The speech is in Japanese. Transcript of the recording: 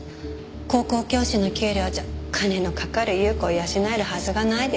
高校教師の給料じゃ金のかかる優子を養えるはずがないですから。